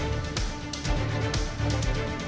โปรดติดตามตอนต่อไป